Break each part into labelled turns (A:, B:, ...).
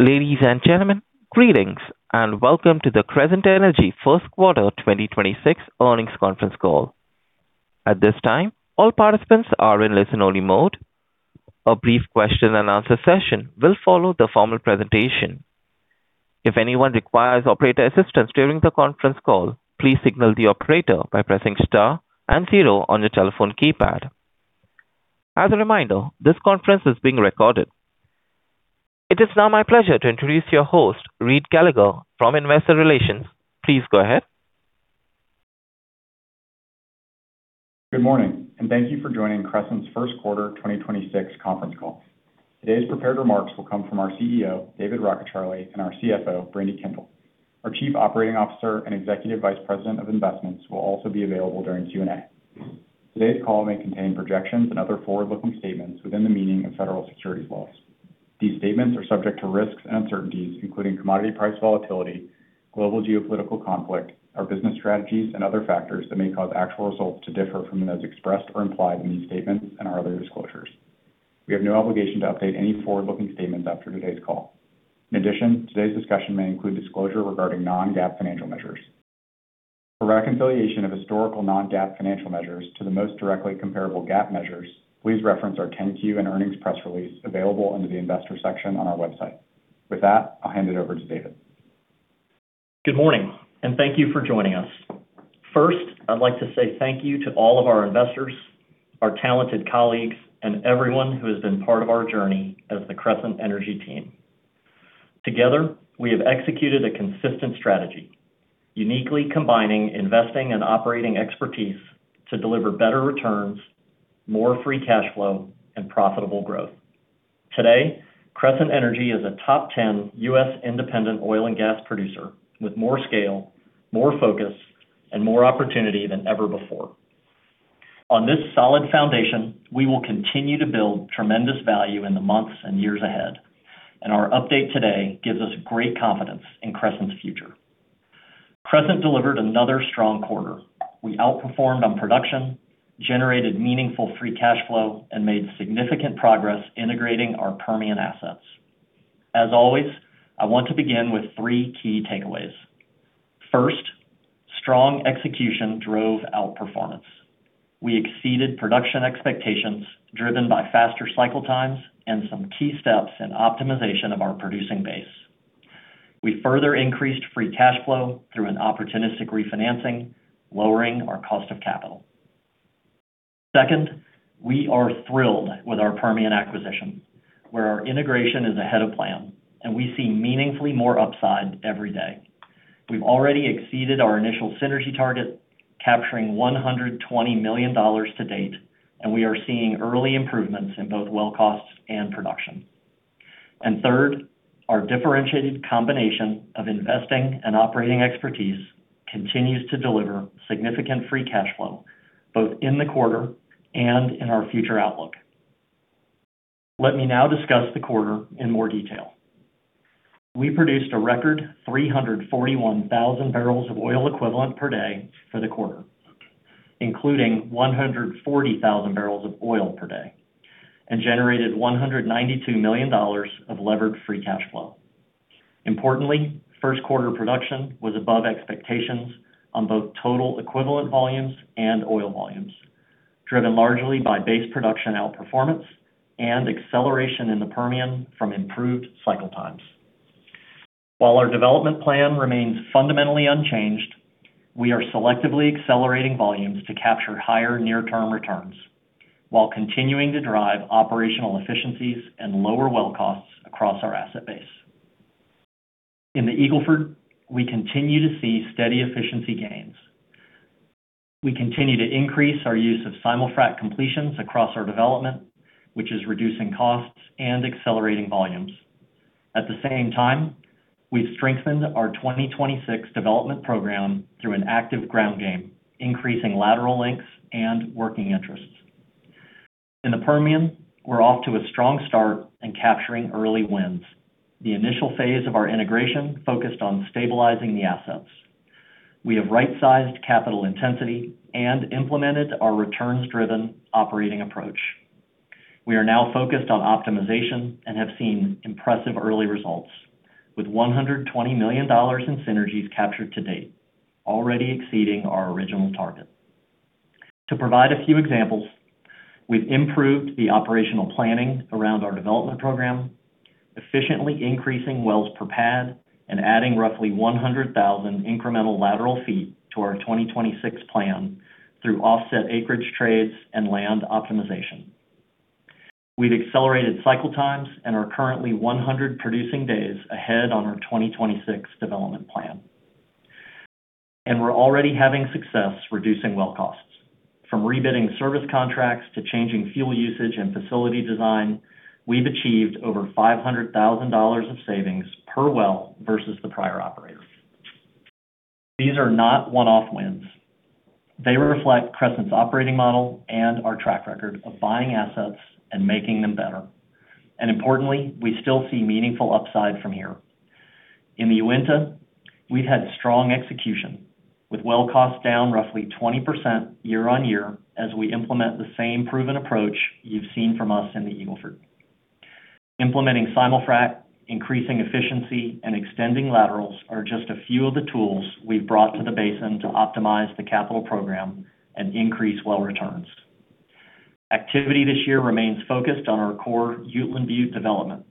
A: Ladies and gentlemen, greetings, welcome to the Crescent Energy first quarter 2026 earnings conference call. At this time, all participants are in listen-only mode. A brief question and answer session will follow the formal presentation. If anyone requires operator assistance during the conference call, please signal the operator by pressing star and zero on your telephone keypad. As a reminder, this conference is being recorded. It is now my pleasure to introduce your host, Reid Gallagher from investor relations. Please go ahead.
B: Good morning, and thank you for joining Crescent's first quarter 2026 conference call. Today's prepared remarks will come from our CEO, David Rockecharlie, and our CFO, Brandi Kendall. Our Chief Operating Officer and Executive Vice President of Investments will also be available during Q&A. Today's call may contain projections and other forward-looking statements within the meaning of federal securities laws. These statements are subject to risks and uncertainties, including commodity price volatility, global geopolitical conflict, our business strategies, and other factors that may cause actual results to differ from those expressed or implied in these statements and our other disclosures. We have no obligation to update any forward-looking statements after today's call. In addition, today's discussion may include disclosure regarding non-GAAP financial measures. For reconciliation of historical non-GAAP financial measures to the most directly comparable GAAP measures, please reference our Form 10-Q and earnings press release available under the investor section on our website. With that, I'll hand it over to David.
C: Good morning, and thank you for joining us. First, I'd like to say thank you to all of our investors, our talented colleagues, and everyone who has been part of our journey as the Crescent Energy team. Together, we have executed a consistent strategy, uniquely combining investing and operating expertise to deliver better returns, more free cash flow, and profitable growth. Today, Crescent Energy is a top 10 U.S. independent oil and gas producer with more scale, more focus, and more opportunity than ever before. On this solid foundation, we will continue to build tremendous value in the months and years ahead, and our update today gives us great confidence in Crescent's future. Crescent delivered another strong quarter. We outperformed on production, generated meaningful free cash flow, and made significant progress integrating our Permian assets. As always, I want to begin with three key takeaways. First, strong execution drove outperformance. We exceeded production expectations driven by faster cycle times and some key steps in optimization of our producing base. We further increased free cash flow through an opportunistic refinancing, lowering our cost of capital. Second, we are thrilled with our Permian acquisition, where our integration is ahead of plan, and we see meaningfully more upside every day. We've already exceeded our initial synergy target, capturing $120 million to date, and we are seeing early improvements in both well costs and production. Third, our differentiated combination of investing and operating expertise continues to deliver significant free cash flow, both in the quarter and in our future outlook. Let me now discuss the quarter in more detail. We produced a record 341,000 barrels of oil equivalent per day for the quarter, including 140,000 barrels of oil per day, and generated $192 million of levered free cash flow. Importantly, first quarter production was above expectations on both total equivalent volumes and oil volumes, driven largely by base production outperformance and acceleration in the Permian from improved cycle times. While our development plan remains fundamentally unchanged, we are selectively accelerating volumes to capture higher near-term returns while continuing to drive operational efficiencies and lower well costs across our asset base. In the Eagle Ford, we continue to see steady efficiency gains. We continue to increase our use of simul-frac completions across our development, which is reducing costs and accelerating volumes. At the same time, we've strengthened our 2026 development program through an active ground game, increasing lateral lengths and working interests. In the Permian, we're off to a strong start in capturing early wins. The initial phase of our integration focused on stabilizing the assets. We have right-sized capital intensity and implemented our returns-driven operating approach. We are now focused on optimization and have seen impressive early results with $120 million in synergies captured to date, already exceeding our original target. To provide a few examples, we've improved the operational planning around our development program, efficiently increasing wells per pad and adding roughly 100,000 incremental lateral feet to our 2026 plan through offset acreage trades and land optimization. We've accelerated cycle times and are currently 100 producing days ahead on our 2026 development plan. We're already having success reducing well costs. From rebidding service contracts to changing fuel usage and facility design, we've achieved over $500,000 of savings per well versus the prior operator. These are not one-off wins. They reflect Crescent's operating model and our track record of buying assets and making them better. Importantly, we still see meaningful upside from here. In the Uinta, we've had strong execution with well costs down roughly 20% year-over-year as we implement the same proven approach you've seen from us in the Eagle Ford. Implementing simul-frac, increasing efficiency, and extending laterals are just a few of the tools we've brought to the basin to optimize the capital program and increase well returns. Activity this year remains focused on our core Uteland Butte development.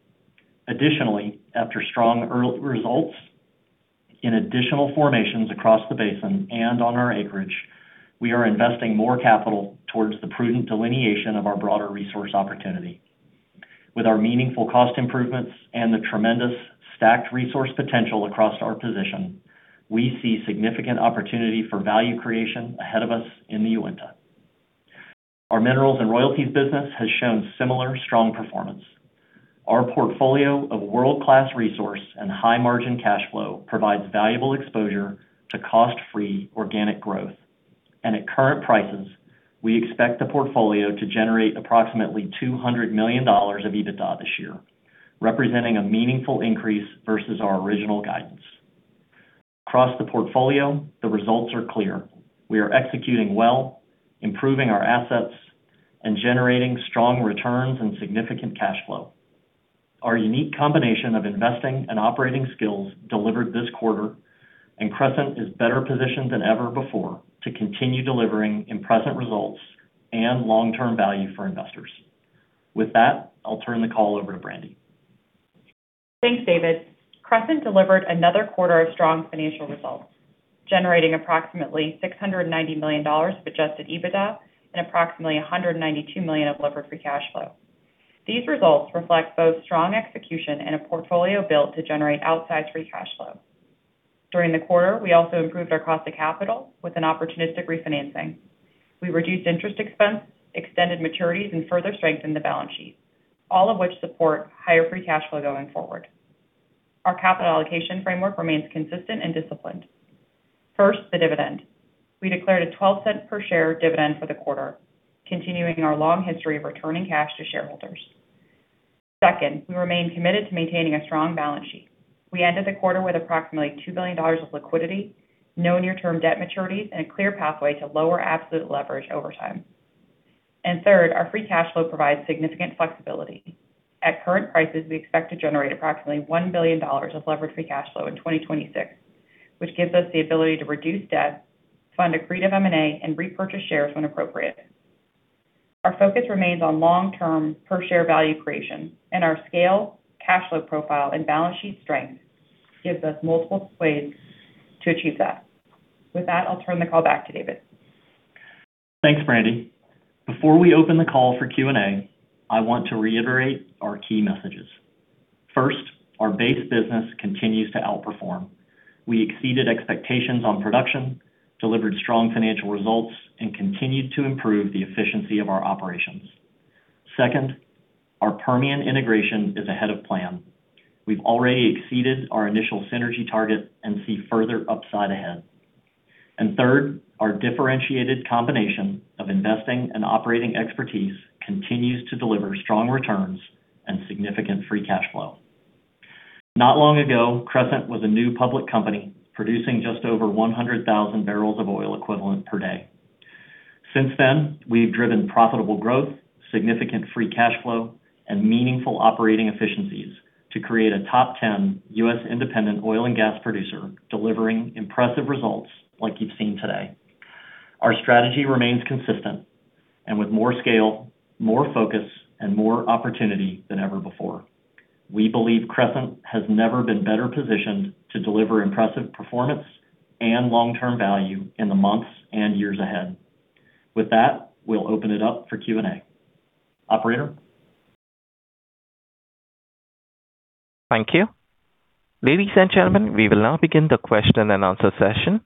C: Additionally, after strong results in additional formations across the basin and on our acreage, we are investing more capital towards the prudent delineation of our broader resource opportunity. With our meaningful cost improvements and the tremendous stacked resource potential across our position, we see significant opportunity for value creation ahead of us in the Uinta. Our minerals and royalties business has shown similar strong performance. Our portfolio of world-class resource and high-margin cash flow provides valuable exposure to cost-free organic growth. At current prices, we expect the portfolio to generate approximately $200 million of EBITDA this year, representing a meaningful increase versus our original guidance. Across the portfolio, the results are clear. We are executing well, improving our assets, and generating strong returns and significant cash flow. Our unique combination of investing and operating skills delivered this quarter and Crescent Energy is better positioned than ever before to continue delivering impressive results and long-term value for investors. With that, I'll turn the call over to Brandi.
D: Thanks, David. Crescent delivered another quarter of strong financial results, generating approximately $690 million of adjusted EBITDA and approximately $192 million of levered free cash flow. These results reflect both strong execution and a portfolio built to generate outsized free cash flow. During the quarter, we also improved our cost of capital with an opportunistic refinancing. We reduced interest expense, extended maturities, and further strengthened the balance sheet, all of which support higher free cash flow going forward. Our capital allocation framework remains consistent and disciplined. First, the dividend. We declared a $0.12 per share dividend for the quarter, continuing our long history of returning cash to shareholders. Second, we remain committed to maintaining a strong balance sheet. We ended the quarter with approximately $2 billion of liquidity, no near-term debt maturities, and a clear pathway to lower absolute leverage over time. Third, our free cash flow provides significant flexibility. At current prices, we expect to generate approximately $1 billion of levered free cash flow in 2026, which gives us the ability to reduce debt, fund accretive M&A, and repurchase shares when appropriate. Our focus remains on long-term per share value creation. Our scale, cash flow profile, and balance sheet strength gives us multiple ways to achieve that. With that, I'll turn the call back to David.
C: Thanks, Brandi. Before we open the call for Q&A, I want to reiterate our key messages. First, our base business continues to outperform. We exceeded expectations on production, delivered strong financial results, and continued to improve the efficiency of our operations. Second, our Permian integration is ahead of plan. We've already exceeded our initial synergy target and see further upside ahead. Third, our differentiated combination of investing and operating expertise continues to deliver strong returns and significant free cash flow. Not long ago, Crescent was a new public company producing just over 100,000 barrels of oil equivalent per day. Since then, we've driven profitable growth, significant free cash flow, and meaningful operating efficiencies to create a top 10 U.S. independent oil and gas producer, delivering impressive results like you've seen today. Our strategy remains consistent and with more scale, more focus, and more opportunity than ever before. We believe Crescent has never been better positioned to deliver impressive performance and long-term value in the months and years ahead. With that, we'll open it up for Q&A. Operator?
A: Thank you. Ladies and gentlemen, we will now begin the question and answer session.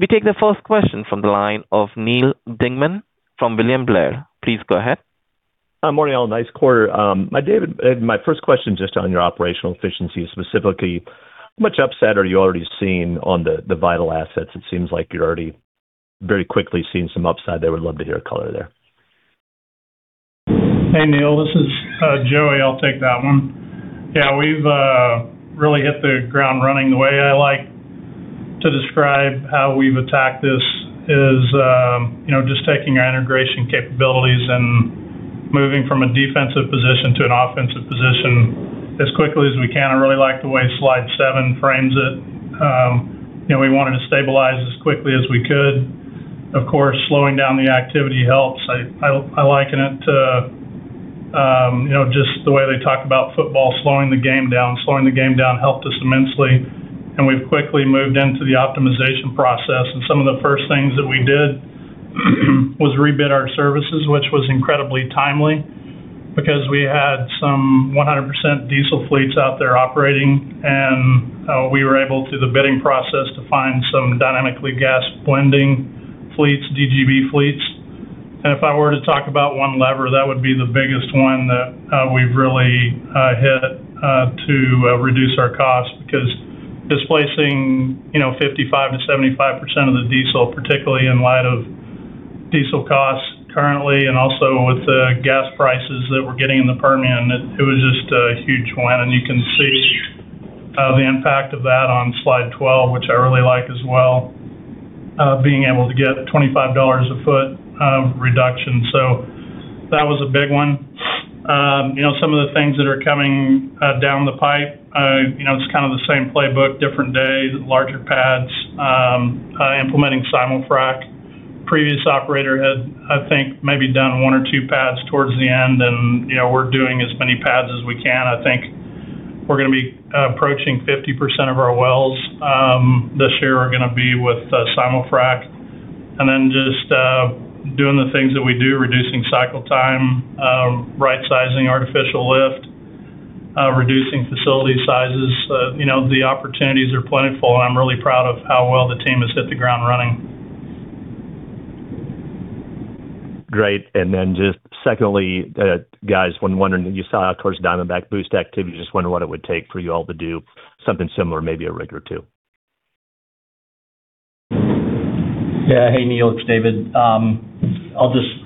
A: We take the first question from the line of Neal Dingmann from William Blair. Please go ahead.
E: Hi, morning, all. Nice quarter. David, my first question just on your operational efficiency and specifically how much upside are you already seeing on the Vital assets? It seems like you're already very quickly seeing some upside there. Would love to hear a color there.
F: Hey, Neal, this is Joey. I'll take that one. Yeah, we've really hit the ground running. The way I like to describe how we've attacked this is, you know, just taking our integration capabilities and moving from a defensive position to an offensive position as quickly as we can. I really like the way slide 7 frames it. You know, we wanted to stabilize as quickly as we could. Of course, slowing down the activity helps. I liken it to, you know, just the way they talk about football, slowing the game down. Slowing the game down helped us immensely. We've quickly moved into the optimization process. Some of the first things that we did was rebid our services, which was incredibly timely. We had some 100% diesel fleets out there operating, and we were able through the bidding process to find some dynamically gas blending fleets, DGB fleets. If I were to talk about one lever, that would be the biggest one that we've really hit to reduce our costs. Displacing, you know, 55%-75% of the diesel, particularly in light of diesel costs currently and also with the gas prices that we're getting in the Permian, it was just a huge win. You can see the impact of that on slide 12, which I really like as well, being able to get a $25 a foot reduction. So that was a big one. You know, some of the things that are coming down the pipe, you know, it's kind of the same playbook, different day, larger pads, implementing simul-frac. Previous operator had, I think, maybe done one or two pads towards the end and, you know, we're doing as many pads as we can. I think we're gonna be approaching 50% of our wells this year are gonna be with simul-frac. Just doing the things that we do, reducing cycle time, right-sizing artificial lift, reducing facility sizes. You know, the opportunities are plentiful, and I'm really proud of how well the team has hit the ground running.
E: Great. Just secondly, guys, you saw towards Diamondback boost activity, just wondering what it would take for you all to do something similar, maybe a rig or two.
C: Hey, Neal, it's David. I'll just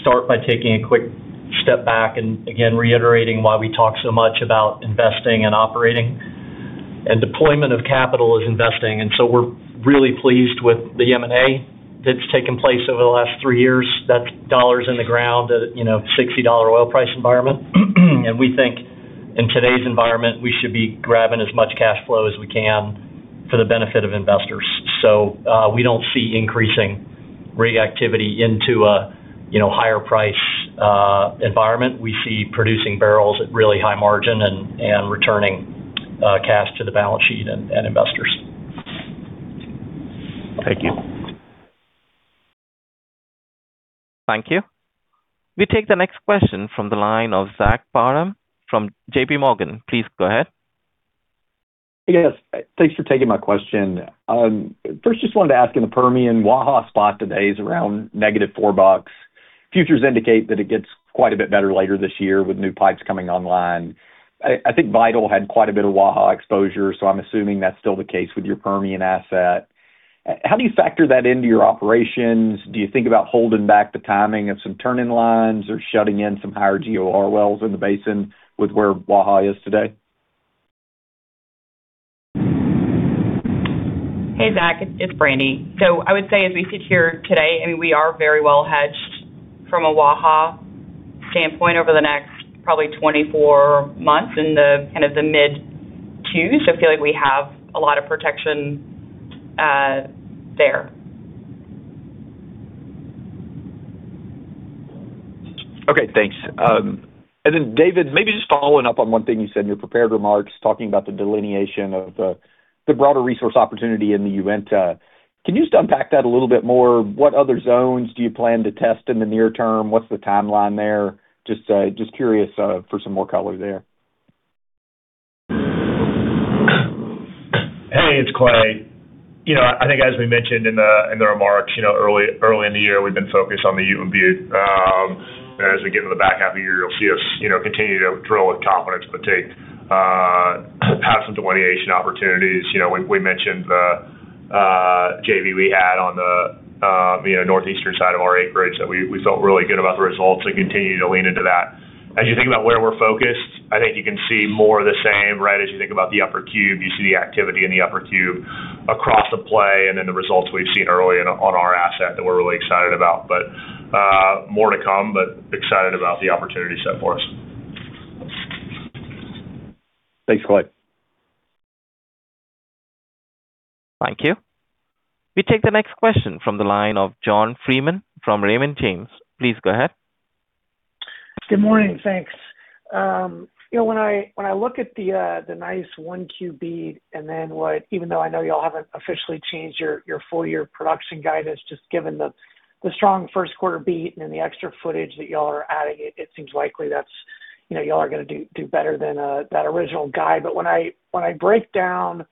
C: start by taking a quick step back and again reiterating why we talk so much about investing and operating. Deployment of capital is investing, we're really pleased with the M&A that's taken place over the last three years. That's dollars in the ground at, you know, $60 oil price environment. We think in today's environment, we should be grabbing as much cash flow as we can for the benefit of investors. We don't see increasing rig activity into a, you know, higher price environment. We see producing barrels at really high margin and returning cash to the balance sheet and investors.
E: Thank you.
A: Thank you. We take the next question from the line of Zach Parham from JPMorgan. Please go ahead.
G: Hey, guys. Thanks for taking my question. First, just wanted to ask, in the Permian, Waha spot today is around -$4. Futures indicate that it gets quite a bit better later this year with new pipes coming online. I think Vital had quite a bit of Waha exposure, so I'm assuming that's still the case with your Permian asset. How do you factor that into your operations? Do you think about holding back the timing of some turn-in-lines or shutting in some higher GOR wells in the basin with where Waha is today?
D: Hey, Zach, it's Brandi. I would say as we sit here today, I mean, we are very well hedged from a Waha standpoint over the next probably 24 months in the, kind of the mid-$2s. I feel like we have a lot of protection there.
G: Okay, thanks. Then David, maybe just following up on one thing you said in your prepared remarks, talking about the delineation of the broader resource opportunity in the Uinta. Can you just unpack that a little bit more? What other zones do you plan to test in the near term? What's the timeline there? Just curious for some more color there.
H: Hey, it's Clay. You know, I think as we mentioned in the remarks, you know, early in the year, we've been focused on the Uteland Butte. As we get to the back half of the year, you'll see us, you know, continue to drill with confidence, but take passive delineation opportunities. You know, we mentioned the JV we had on the, you know, northeastern side of our acreage that we felt really good about the results and continue to lean into that. As you think about where we're focused, I think you can see more of the same, right? As you think about the Upper Cube, you see the activity in the Upper Cube across the play and in the results we've seen early on our asset that we're really excited about. More to come, but excited about the opportunity set for us.
G: Thanks, Clay.
A: Thank you. We take the next question from the line of John Freeman from Raymond James. Please go ahead.
I: Good morning. Thanks. You know, when I look at the nice 1Q and then even though I know y'all haven't officially changed your full year production guidance, just given the strong first quarter beat and the extra footage that y'all are adding, it seems likely that's, you know, y'all are gonna do better than that original guide. When I, when I break down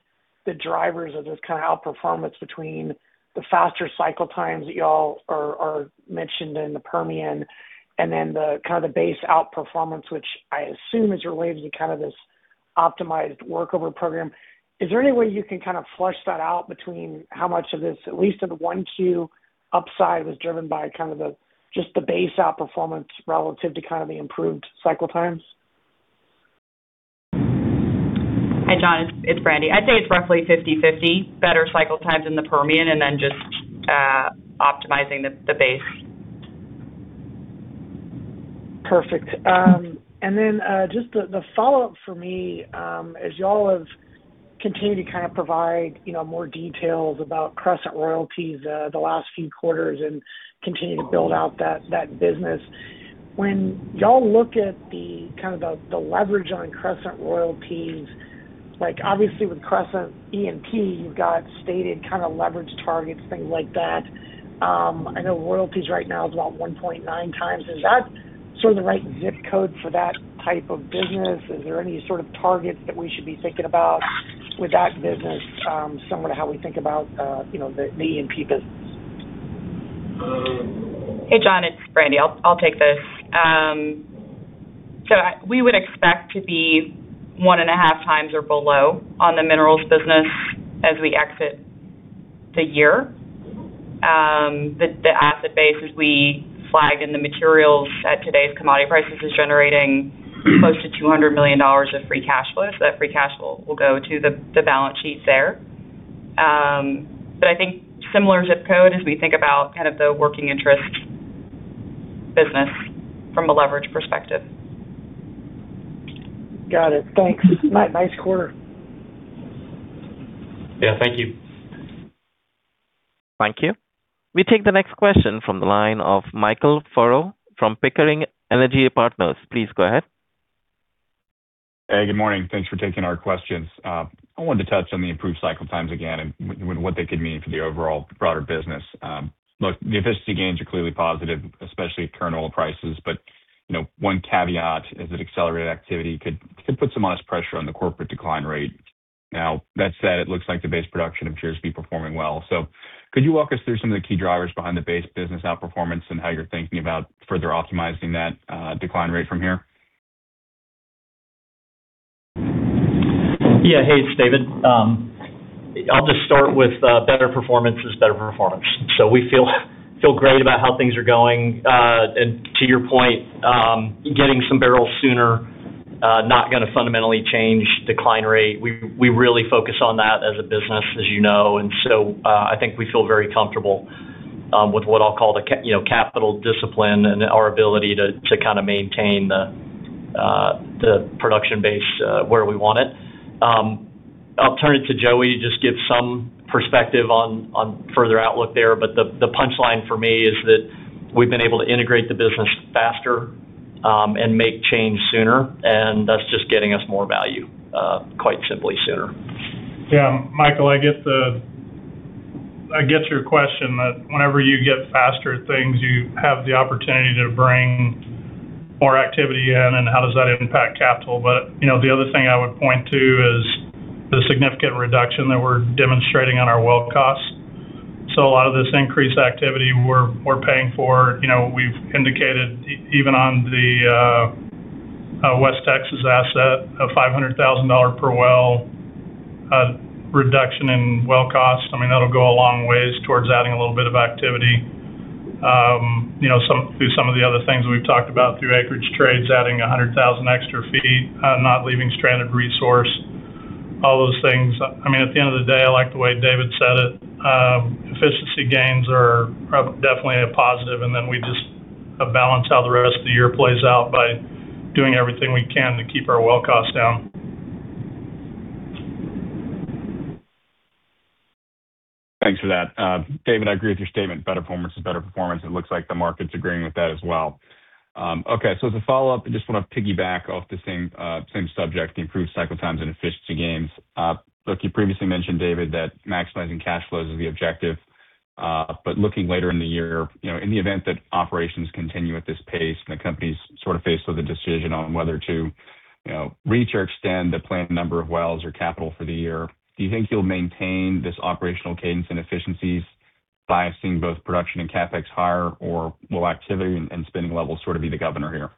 I: the drivers of this kind of outperformance between the faster cycle times that y'all are mentioned in the Permian and then the kind of the base outperformance, which I assume is related to kind of this optimized workover program, is there any way you can kind of flesh that out between how much of this, at least in the 1Q upside, was driven by kind of the, just the base outperformance relative to kind of the improved cycle times?
D: Hi, John. It's Brandi. I'd say it's roughly 50/50. Better cycle times in the Permian and then just optimizing the base.
I: Perfect. Just the follow-up for me, as y'all have continued to kind of provide, you know, more details about Crescent Royalties, the last few quarters and continue to build out that business. When y'all look at the, kind of the leverage on Crescent Royalties Like obviously with Crescent E&P, you've got stated kinda leverage targets, things like that. I know royalties right now is about 1.9 times. Is that sort of the right ZIP code for that type of business? Is there any sort of targets that we should be thinking about with that business, similar to how we think about, you know, the E&P business?
D: Hey, John, it's Brandi. I'll take this. We would expect to be 1.5x or below on the minerals business as we exit the year. The asset base as we flagged in the materials at today's commodity prices is generating close to $200 million of free cash flow. That free cash flow will go to the balance sheet there. I think similar zip code as we think about kind of the working interest business from a leverage perspective.
I: Got it. Thanks. Nice quarter.
C: Yeah, thank you.
A: Thank you. We take the next question from the line of Michael Furrow from Pickering Energy Partners. Please go ahead.
J: Hey, good morning. Thanks for taking our questions. I wanted to touch on the improved cycle times again and what they could mean for the overall broader business. Look, the efficiency gains are clearly positive, especially at current oil prices. You know, one caveat is that accelerated activity could put some honest pressure on the corporate decline rate. Now that said, it looks like the base production appears to be performing well. Could you walk us through some of the key drivers behind the base business outperformance and how you're thinking about further optimizing that decline rate from here?
C: Hey, it's David. I'll just start with better performance is better performance. We feel great about how things are going. And to your point, getting some barrels sooner, not gonna fundamentally change decline rate. We really focus on that as a business, as you know. I think we feel very comfortable with what I'll call you know, capital discipline and our ability to kinda maintain the production base where we want it. I'll turn it to Joey to just give some perspective on further outlook there. The punchline for me is that we've been able to integrate the business faster, and make change sooner, and that's just getting us more value, quite simply sooner.
F: Yeah, Michael Furrow, I get your question that whenever you get faster things, you have the opportunity to bring more activity in and how does that impact capital. You know, the other thing I would point to is the significant reduction that we're demonstrating on our well costs. A lot of this increased activity we're paying for, you know, we've indicated even on the West Texas asset, a $500,000 per well reduction in well cost. I mean, that'll go a long ways towards adding a little bit of activity. You know, through some of the other things we've talked about through acreage trades, adding 100,000 extra feet, not leaving stranded resource, all those things. I mean, at the end of the day, I like the way David said it. Efficiency gains are definitely a positive, and then we just balance how the rest of the year plays out by doing everything we can to keep our well costs down.
J: Thanks for that. David, I agree with your statement, better performance is better performance. It looks like the market's agreeing with that as well. Okay, as a follow-up, I just wanna piggyback off the same subject, the improved cycle times and efficiency gains. Look, you previously mentioned, David, that maximizing cash flows is the objective. Looking later in the year, you know, in the event that operations continue at this pace and the company's sort of faced with a decision on whether to, you know, reach or extend the planned number of wells or capital for the year, do you think you'll maintain this operational cadence and efficiencies by seeing both production and CapEx higher, or will activity and spending levels sort of be the governor here?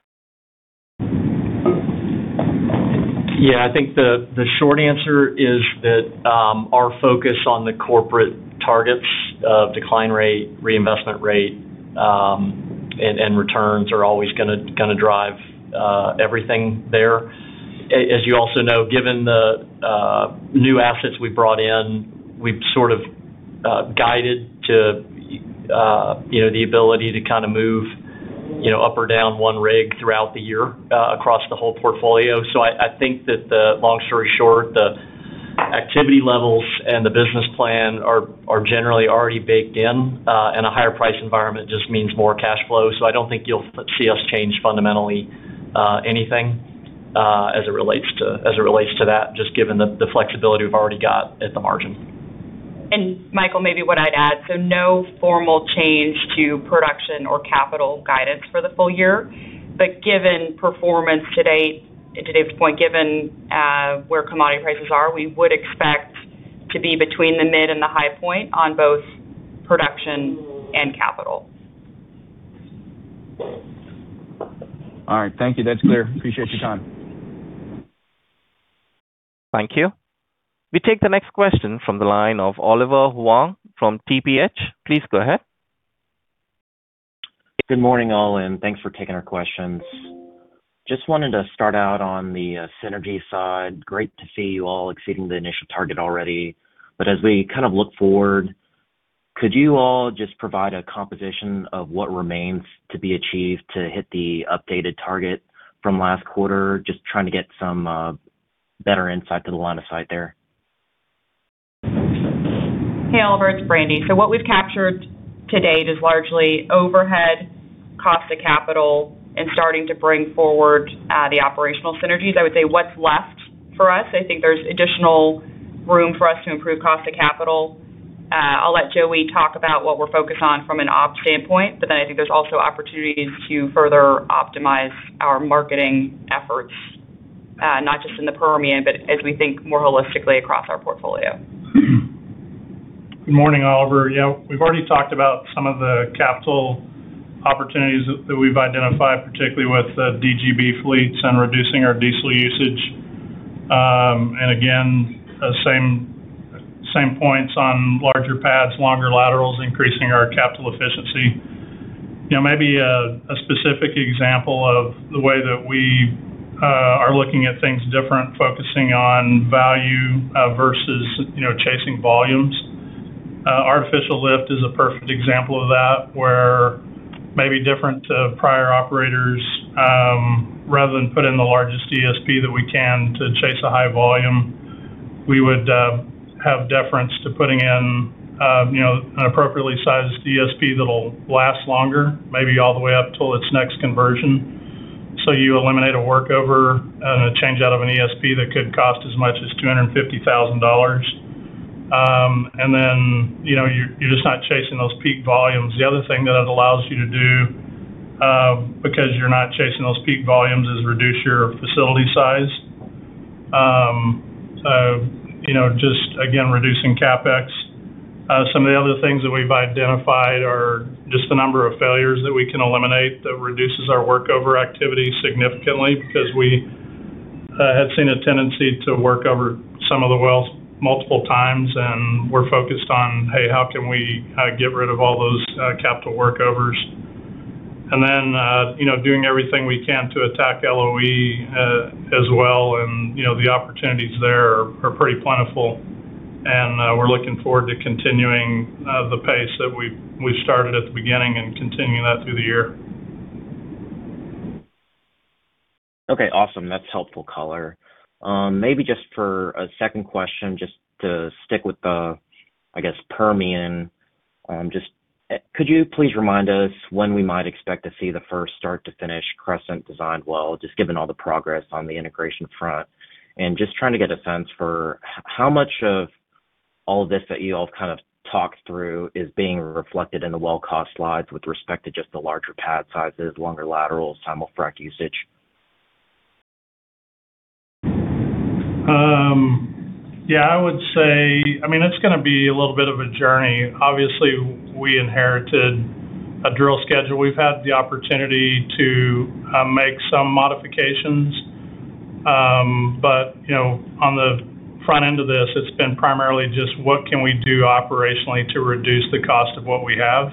C: Yeah. I think the short answer is that our focus on the corporate targets of decline rate, reinvestment rate, and returns are always gonna drive everything there. As you also know, given the new assets we brought in, we've sort of guided to, you know, the ability to kinda move, you know, up or down one rig throughout the year across the whole portfolio. I think that the long story short, the activity levels and the business plan are generally already baked in, and a higher price environment just means more cash flow. I don't think you'll see us change fundamentally anything as it relates to that, just given the flexibility we've already got at the margin.
D: Michael, maybe what I'd add, no formal change to production or capital guidance for the full year. Given performance to date, and to David's point, given where commodity prices are, we would expect to be between the mid and the high point on both production and capital.
J: All right. Thank you. That's clear. Appreciate your time.
A: Thank you. We take the next question from the line of Oliver Huang from TPH&Co. Please go ahead.
K: Good morning, all, and thanks for taking our questions. Just wanted to start out on the synergy side. Great to see you all exceeding the initial target already. As we kind of look forward, could you all just provide a composition of what remains to be achieved to hit the updated target from last quarter? Just trying to get some better insight to the line of sight there.
D: Hey, Oliver, it's Brandi. What we've captured to date is largely overhead cost of capital and starting to bring forward the operational synergies. I would say what's left for us, I think there's additional room for us to improve cost of capital. I'll let Joey talk about what we're focused on from an op standpoint, I think there's also opportunities to further optimize our marketing efforts, not just in the Permian, but as we think more holistically across our portfolio.
F: Good morning, Oliver. Yeah, we've already talked about some of the capital opportunities that we've identified, particularly with DGB fleets and reducing our diesel usage. Again, the same points on larger pads, longer laterals, increasing our capital efficiency. You know, maybe a specific example of the way that we are looking at things different, focusing on value versus, you know, chasing volumes. Artificial lift is a perfect example of that, where maybe different to prior operators, rather than put in the largest ESP that we can to chase a high volume, we would have deference to putting in, you know, an appropriately sized ESP that'll last longer, maybe all the way up till its next conversion. You eliminate a workover and a change out of an ESP that could cost as much as $250,000. You know, you're just not chasing those peak volumes. The other thing that it allows you to do, because you're not chasing those peak volumes, is reduce your facility size. You know, just again, reducing CapEx. Some of the other things that we've identified are just the number of failures that we can eliminate that reduces our workover activity significantly. Because we had seen a tendency to work over some of the wells multiple times, and we're focused on how can we get rid of all those capital workovers? You know, doing everything we can to attack LOE as well. You know, the opportunities there are pretty plentiful. We're looking forward to continuing the pace that we started at the beginning and continuing that through the year.
K: Okay. Awesome. That's helpful color. Maybe just for a second question, just to stick with the, I guess, Permian. Just, could you please remind us when we might expect to see the first start-to-finish Crescent-designed well, just given all the progress on the integration front? Just trying to get a sense for how much of all this that you all kind of talked through is being reflected in the well cost slides with respect to just the larger pad sizes, longer laterals, simul-frac usage?
F: Yeah, I would say, I mean, it's gonna be a little bit of a journey. Obviously, we inherited a drill schedule. We've had the opportunity to make some modifications. You know, on the front end of this, it's been primarily just what can we do operationally to reduce the cost of what we have.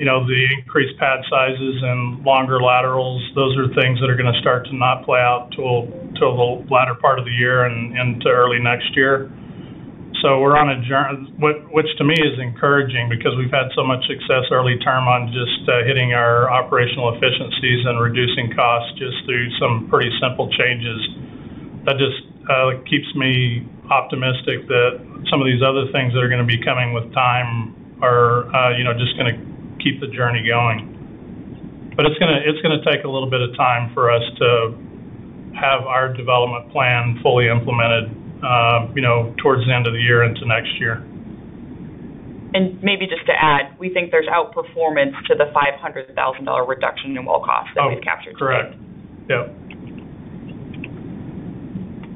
F: You know, the increased pad sizes and longer laterals, those are things that are gonna start to not play out till the latter part of the year and to early next year. Which to me is encouraging because we've had so much success early term on just hitting our operational efficiencies and reducing costs just through some pretty simple changes. That just keeps me optimistic that some of these other things that are gonna be coming with time are, you know, just gonna keep the journey going. It's gonna take a little bit of time for us to have our development plan fully implemented, you know, towards the end of the year into next year.
D: Maybe just to add, we think there's outperformance to the $500,000 reduction in well cost that we've captured.
F: Oh, correct. Yep.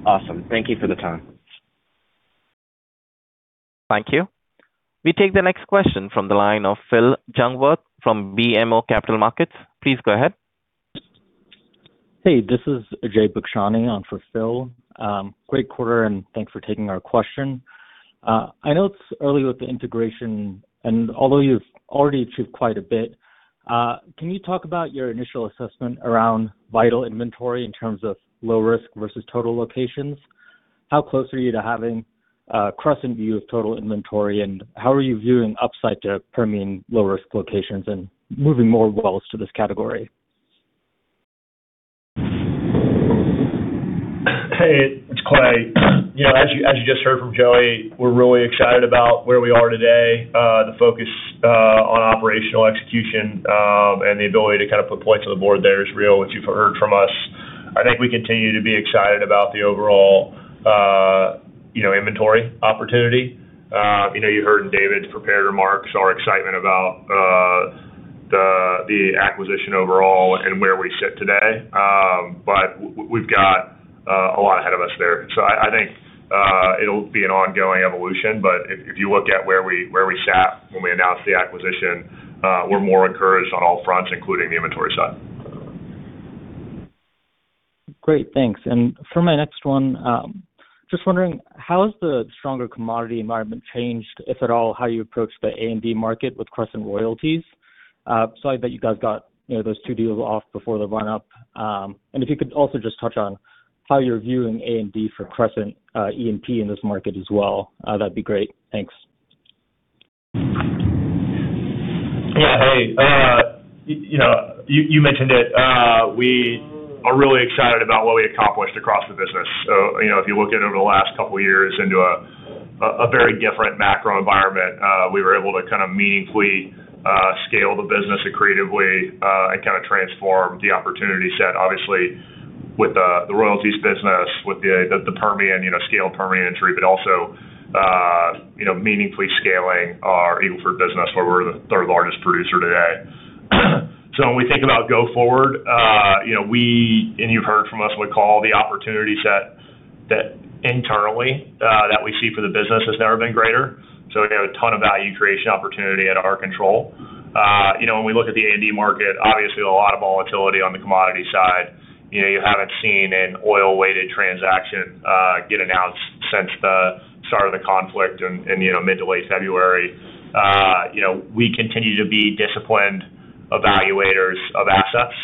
K: Awesome. Thank you for the time.
A: Thank you. We take the next question from the line of Phillip Jungwirth from BMO Capital Markets. Please go ahead.
L: Hey, this is Ajay Bakshani. I'm for Phil. Great quarter, and thanks for taking our question. I know it's early with the integration, and although you've already achieved quite a bit, can you talk about your initial assessment around Vital Energy inventory in terms of low risk versus total locations? How close are you to having a Crescent view of total inventory, and how are you viewing upside to Permian low-risk locations and moving more wells to this category?
H: Hey, it's Clay. You know, as you just heard from Joey, we're really excited about where we are today. The focus on operational execution, and the ability to kind of put points on the board there is real, which you've heard from us. I think we continue to be excited about the overall, you know, inventory opportunity. You know, you heard in David's prepared remarks our excitement about the acquisition overall and where we sit today. We've got a lot ahead of us there. I think it'll be an ongoing evolution. If you look at where we sat when we announced the acquisition, we're more encouraged on all fronts, including the inventory side.
L: Great. Thanks. For my next one, just wondering how has the stronger commodity environment changed, if at all, how you approach the A&D market with Crescent Royalties? I bet you guys got, you know, those two deals off before the run-up. If you could also just touch on how you're viewing A&D for Crescent E&P in this market as well, that'd be great. Thanks.
C: You know, you mentioned it, we are really excited about what we accomplished across the business. You know, if you look at it over the last couple of years into a very different macro environment, we were able to kind of meaningfully scale the business creatively and kind of transform the opportunity set. Obviously, with the royalties business, with the Permian, you know, scale of Permian entry, but also meaningfully scaling our Eagle Ford business where we're the third-largest producer today. When we think about go forward, you know, and you've heard from us, we call the opportunity set that internally that we see for the business has never been greater. You know, a ton of value creation opportunity at our control. You know, when we look at the A&D market, obviously, a lot of volatility on the commodity side. You know, you haven't seen an oil-weighted transaction get announced since the start of the conflict in, you know, mid to late February. You know, we continue to be disciplined evaluators of assets,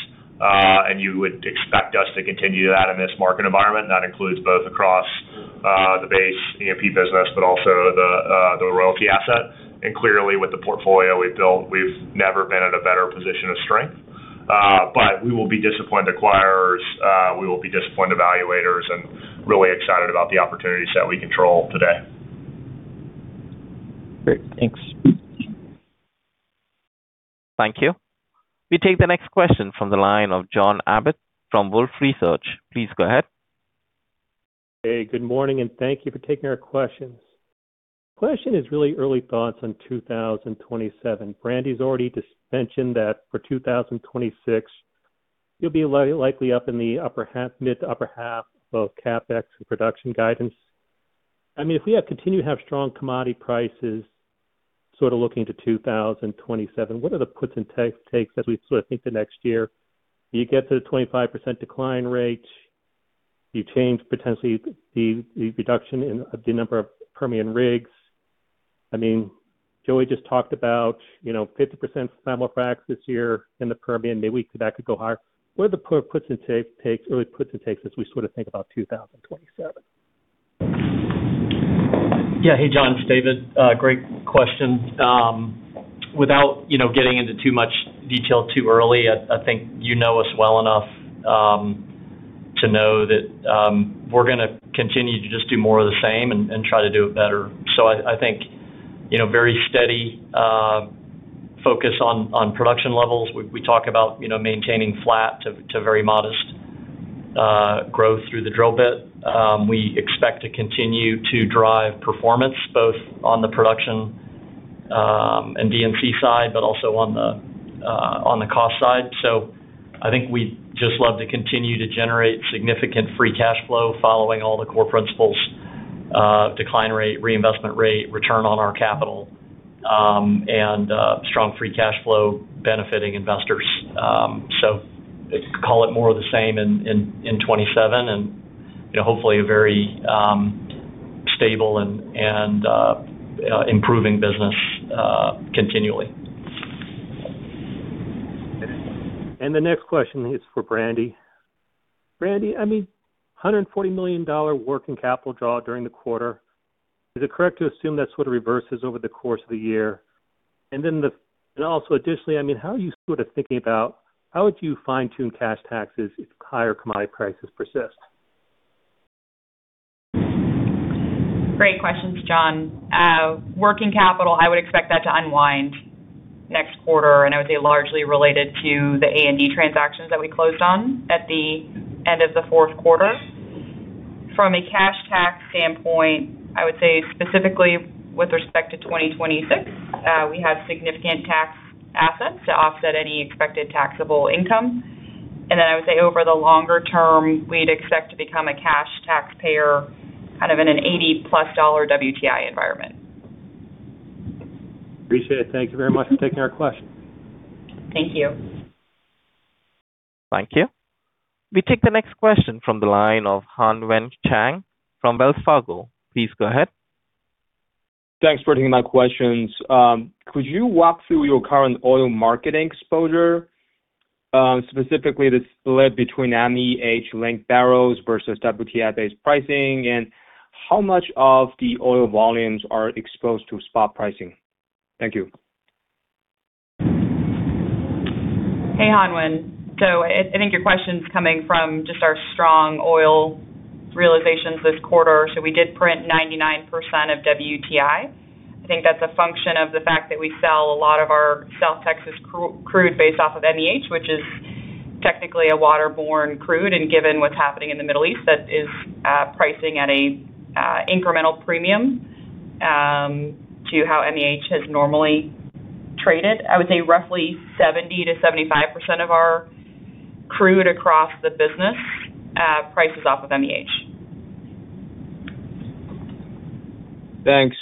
C: and you would expect us to continue that in this market environment. That includes both across the base E&P business, but also the royalty asset. Clearly, with the portfolio we've built, we've never been in a better position of strength. We will be disciplined acquirers, we will be disciplined evaluators and really excited about the opportunities that we control today.
L: Great. Thanks.
A: Thank you. We take the next question from the line of John Abbott from Wolfe Research. Please go ahead.
M: Hey, good morning, and thank you for taking our questions. Question is really early thoughts on 2027. Brandi Kendall's already just mentioned that for 2026, you'll be likely up in the upper half, mid to upper half, both CapEx and production guidance. I mean, if we continue to have strong commodity prices, sort of looking to 2027, what are the puts and takes as we sort of think the next year? You get to the 25% decline rate. You change potentially the reduction in the number of Permian rigs. I mean, Joey just talked about, you know, 50% fracs this year in the Permian. Maybe that could go higher. What are the puts and takes as we sort of think about 2027?
C: Yeah. Hey, John, it's David. Great question. Without, you know, getting into too much detail too early, I think you know us well enough to know that we're gonna continue to just do more of the same and try to do it better. I think, you know, very steady focus on production levels. We talk about, you know, maintaining flat to very modest growth through the drill bit. We expect to continue to drive performance both on the production and D&C side, but also on the cost side. I think we just love to continue to generate significant free cash flow following all the core principles, decline rate, reinvestment rate, return on our capital, and strong free cash flow benefiting investors. Call it more of the same in 2027 and, you know, hopefully a very stable and improving business continually.
M: The next question is for Brandi. Brandi, I mean, $140 million working capital draw during the quarter. Is it correct to assume that sort of reverses over the course of the year? I mean, how are you sort of thinking about how would you fine-tune cash taxes if higher commodity prices persist?
D: Great questions, John. Working capital, I would expect that to unwind next quarter, and I would say largely related to the A&D transactions that we closed on at the end of the fourth quarter. From a cash tax standpoint, I would say specifically with respect to 2026, we have significant tax assets to offset any expected taxable income. I would say over the longer term, we'd expect to become a cash taxpayer kind of in an $80+ WTI environment.
M: Appreciate it. Thank you very much for taking our question.
D: Thank you.
A: Thank you. We take the next question from the line of Hanwen Chang from Wells Fargo. Please go ahead.
N: Thanks for taking my questions. Could you walk through your current oil marketing exposure, specifically the split between MEH-linked barrels versus WTI-based pricing? How much of the oil volumes are exposed to spot pricing? Thank you.
D: Hey, Hanwen. I think your question's coming from just our strong oil realizations this quarter. We did print 99% of WTI. I think that's a function of the fact that we sell a lot of our South Texas crude based off of MEH, which is technically a waterborne crude. Given what's happening in the Middle East, that is pricing at an incremental premium to how MEH has normally traded. I would say roughly 70%-75% of our crude across the business prices off of MEH.
N: Thanks.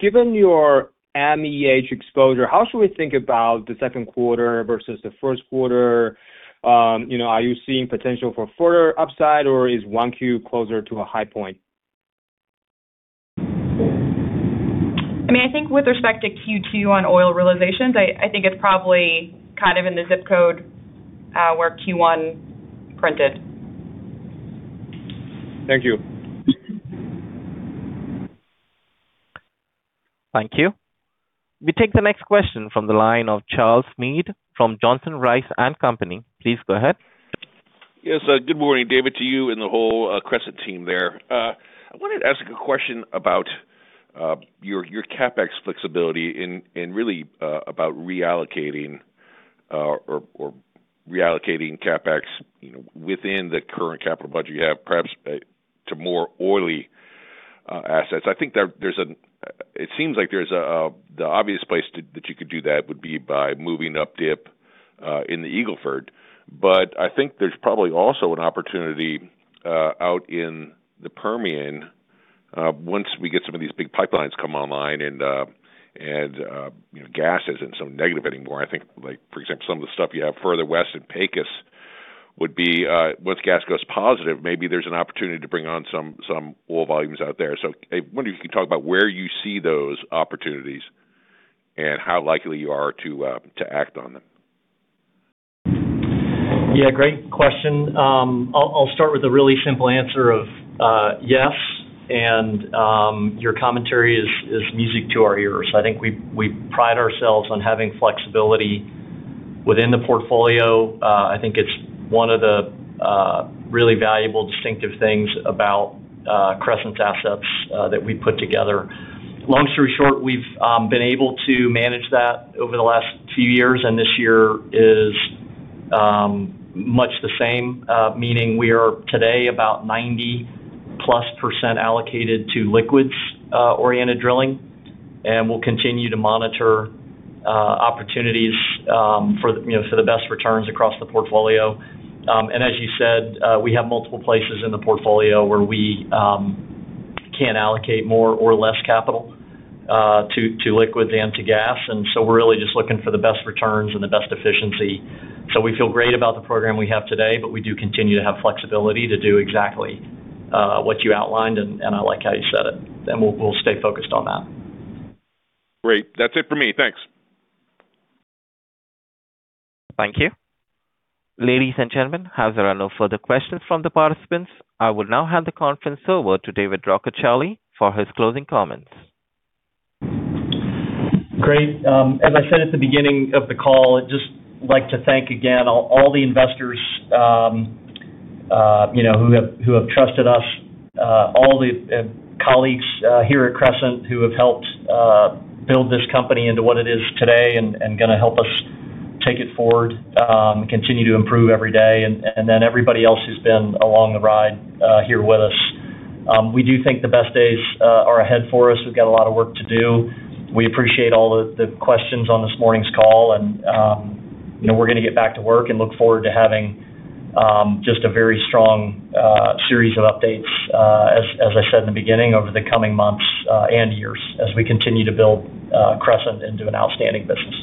N: Given your MEH exposure, how should we think about the second quarter versus the first quarter? You know, are you seeing potential for further upside, or is 1Q closer to a high point?
D: I mean, I think with respect to Q2 on oil realizations, I think it's probably kind of in the ZIP code, where Q1 printed.
N: Thank you.
A: Thank you. We take the next question from the line of Charles Meade from Johnson Rice & Company. Please go ahead.
O: Yes. Good morning, David, to you and the whole Crescent team there. I wanted to ask a question about your CapEx flexibility and really about reallocating or reallocating CapEx, you know, within the current capital budget you have perhaps to more oily assets. I think it seems like there's an obvious place to do that would be by moving up dip in the Eagle Ford. I think there's probably also an opportunity out in the Permian once we get some of these big pipelines come online and, you know, gas isn't so negative anymore. I think, like, for example, some of the stuff you have further west in Pecos would be, once gas goes positive, maybe there's an opportunity to bring on some oil volumes out there. I wonder if you could talk about where you see those opportunities and how likely you are to act on them.
C: Yeah, great question. I'll start with a really simple answer of yes, your commentary is music to our ears. I think we pride ourselves on having flexibility within the portfolio. I think it's one of the really valuable distinctive things about Crescent's assets that we put together. Long story short, we've been able to manage that over the last few years, and this year is much the same. Meaning we are today about 90%+ allocated to liquids oriented drilling, and we'll continue to monitor opportunities for, you know, for the best returns across the portfolio. As you said, we have multiple places in the portfolio where we can allocate more or less capital to liquids than to gas. We're really just looking for the best returns and the best efficiency. We feel great about the program we have today, but we do continue to have flexibility to do exactly what you outlined, and I like how you said it. We'll stay focused on that.
O: Great. That's it for me. Thanks.
A: Thank you. Ladies and gentlemen, as there are no further questions from the participants, I will now hand the conference over to David Rockecharlie for his closing comments.
C: Great. As I said at the beginning of the call, I'd just like to thank again all the investors, you know, who have trusted us, all the colleagues here at Crescent who have helped build this company into what it is today and gonna help us take it forward, continue to improve every day. Everybody else who's been along the ride here with us. We do think the best days are ahead for us. We've got a lot of work to do. We appreciate all the questions on this morning's call. You know, we're gonna get back to work and look forward to having just a very strong series of updates, as I said in the beginning, over the coming months and years as we continue to build Crescent into an outstanding business.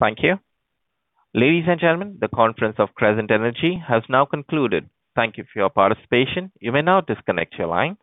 A: Thank you. Ladies and gentlemen, the conference of Crescent Energy has now concluded. Thank you for your participation. You may now disconnect your line.